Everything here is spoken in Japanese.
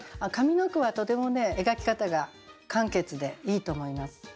上の句はとても描き方が簡潔でいいと思います。